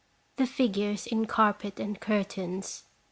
293 the figures in carpet and curtains.